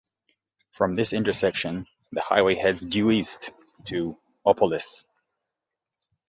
From this intersection, the highway heads due east to Opolis.